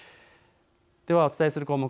ではお伝えする項目